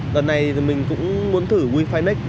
lần này mình cũng muốn thử wefinex